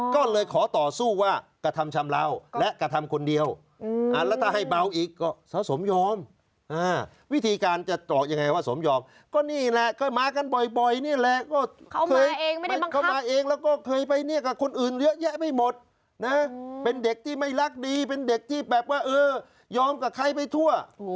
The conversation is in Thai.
ก็เลยขอต่อสู้ว่ากระทำชำราวและกระทำคนเดียวแล้วถ้าให้เบาอีกก็สะสมยอมวิธีการจะเจาะยังไงว่าสมยอมก็นี่แหละก็มากันบ่อยนี่แหละก็เคยเข้ามาเองแล้วก็เคยไปเนี่ยกับคนอื่นเยอะแยะไม่หมดนะเป็นเด็กที่ไม่รักดีเป็นเด็กที่แบบว่าเออยอมกับใครไปทั่ว